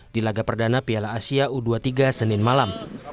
di laga perdana piala asia u dua puluh tiga senin malam